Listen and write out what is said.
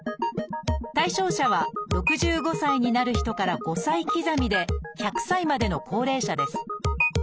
対象者は６５歳になる人から５歳刻みで１００歳までの高齢者です。